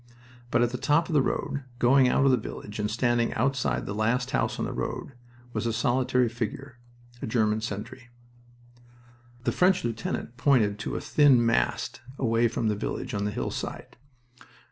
But at the top of the road, going out of the village and standing outside the last house on the road, was a solitary figure a German sentry. The French lieutenant pointed to a thin mast away from the village on the hillside.